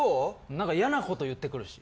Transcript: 何か嫌なこと言ってくるし。